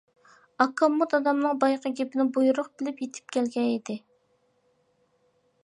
ئاكاممۇ دادامنىڭ بايامقى گېپىنى بۇيرۇق بىلىپ، يېتىپ كەلگەن ئىدى.